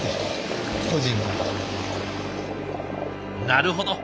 なるほど。